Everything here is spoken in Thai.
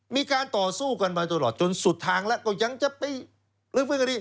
มีการต่อสู้กันมาตลอดจนสุดทางแล้วก็ยังจะไปลื้อฟื้นคดี